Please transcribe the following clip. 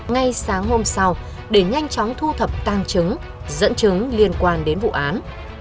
ngay sáng hôm sau để nhanh chóng thu thập tăng chứng dẫn chứng liên quan đến vụ án